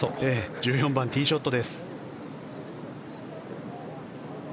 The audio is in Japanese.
１４番、ティーショット。